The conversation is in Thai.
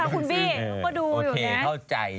คุณบีต้องก็ดูอยู่นะ